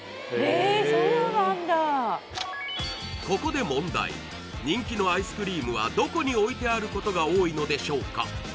ここで問題人気のアイスクリームはどこに置いてあることが多いのでしょうか